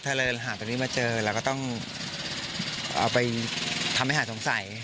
ถ้าเราหาตรงนี้มาเจอเราก็ต้องเอาไปทำให้หายสงสัย